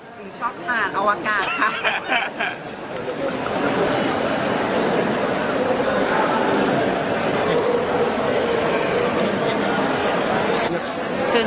หนูชอบทหารอวกาศครับ